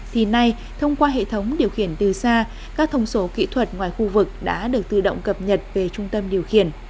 thì nay thông qua hệ thống điều khiển từ xa các thông số kỹ thuật ngoài khu vực đã được tự động cập nhật về trung tâm điều khiển